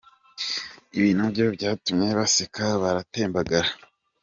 Ibi nabyo byatumye baseka baratembagara.